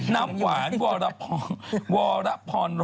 น้ำหวานวรพรณ